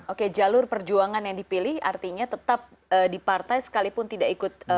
oke jalur perjuangan yang dipilih artinya tetap di partai sekalipun tidak ikut